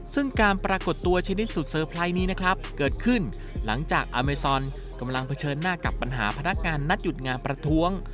ซึ่งการปรากฏตัวชนิดสุดเซอร์ไพรส์นี้นะครับเกิดขึ้นหลังจากอเมซอนกำลังเผชิญหน้ากับปัญหาพนักงานนัดหยุดงานประท้วง